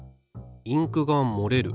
インクがもれる。